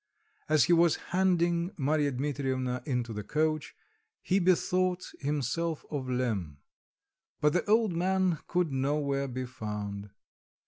As he was handing Marya Dmitrievna into the coach, he bethought himself of Lemm; but the old man could nowhere be found.